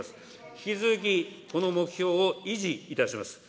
引き続きこの目標を維持いたします。